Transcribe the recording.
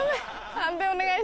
判定お願いします。